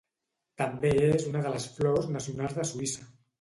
També és una de les flors nacionals de Suïssa.